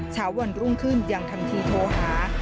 เช้าวันรุ่งขึ้นยังทำทีโทรหา